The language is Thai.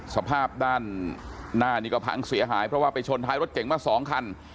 สภาพด้านหน้านี่ก็พังเสียหายเพราะว่าไปชนท้ายรถเก่งมา๒คัน